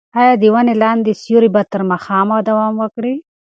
ایا د ونې لاندې سیوری به تر ماښامه دوام وکړي؟